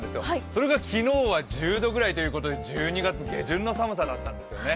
それが昨日は１０度ぐらいということで、１２月下旬の寒さだったんですよね。